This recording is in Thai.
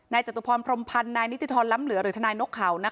จตุพรพรมพันธ์นายนิติธรรมล้ำเหลือหรือทนายนกเขา